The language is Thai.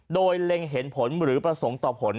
โดยเล็งเห็นผลหรือประสงค์ต่อผล